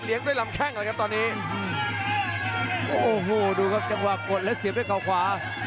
ด้วยลำแข้งเลยครับตอนนี้โอ้โหดูครับจังหวะกดแล้วเสียบด้วยเขาขวา